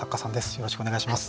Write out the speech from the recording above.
よろしくお願いします。